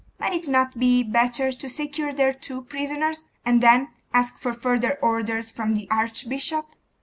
Might it not be better to secure their two prisoners, and then ask for further orders from the archbishop?